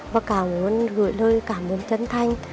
và cảm ơn gửi lời cảm ơn chân thành